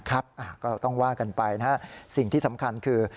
ก็ต้องว่ากันไปนะฮะสิ่งที่สำคัญคือ